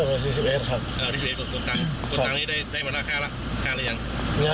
แล้วที่ที่ที่ได้กดตรงตรงตรงนี้ได้มาล่าค่าล่ะค่าแล้วยัง